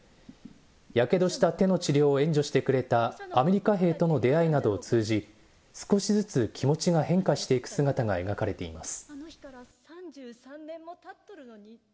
やけどした手の治療を援助してくれたアメリカ兵との出会いなどを通じ、少しずつ気持ちが変化していく姿が描かれています。